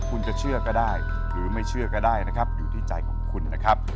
คุณจะเชื่อก็ได้หรือไม่เชื่อก็ได้นะครับอยู่ที่ใจของคุณนะครับ